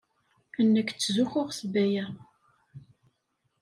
Nekk ttzuxxuɣ s Baya.